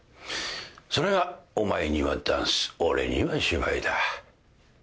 それがお前にはダンス俺には芝居だ。